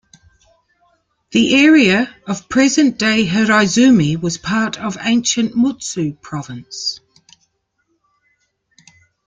The area of present-day Hiraizumi was part of ancient Mutsu Province.